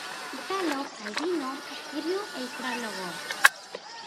Italo Calvino escribió el prólogo.